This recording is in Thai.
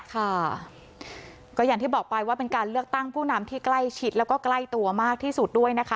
ค่ะก็อย่างที่บอกไปว่าเป็นการเลือกตั้งผู้นำที่ใกล้ชิดแล้วก็ใกล้ตัวมากที่สุดด้วยนะคะ